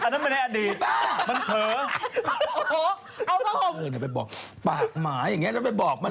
ตบปากตบปากอันนั้นไม่ใช่อดีต